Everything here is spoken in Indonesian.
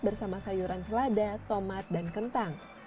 bersama sayuran selada tomat dan kentang